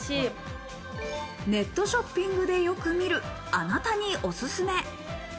ネットショッピングでよく見る、あなたにおすすめ。